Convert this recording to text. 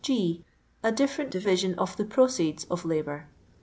Q. A different division qf the proceeds qf labour.